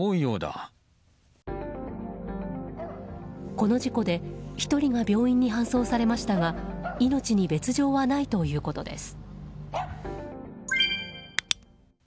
この事故で１人が病院に搬送されましたが命に別条はないということです。